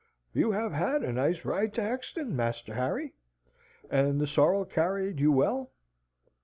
"You have had a nice ride to Hexton, Master Harry, and the sorrel carried you well."